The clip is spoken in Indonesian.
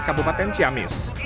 dan kabupaten siamis